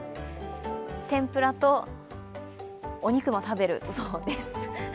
天ぷらとお肉も食べるそうです。